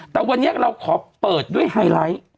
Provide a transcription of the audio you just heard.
แต่วันนี้เราขอเปิดด้วยไฮไลท์